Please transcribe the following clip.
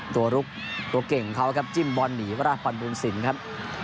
ตัวรุกเก่งของเค้าครับจิ้มบอลหนีวัตรภัณฑ์บุญสินครับ